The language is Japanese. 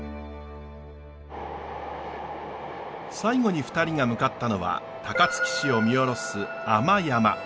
最後に２人が向かったのは高槻市を見下ろす安満山。